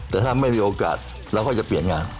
แต่ถ้าไม่มีโอกาสเราก็จะเปลี่ยนงาน